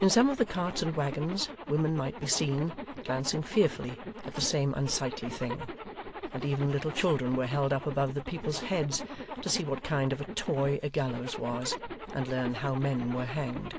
In some of the carts and waggons, women might be seen, glancing fearfully at the same unsightly thing; and even little children were held up above the people's heads to see what kind of a toy a gallows was, and learn how men were hanged.